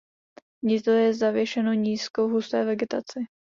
Hnízdo je zavěšeno nízko v husté vegetaci.